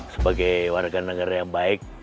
sebagai warga negara yang baik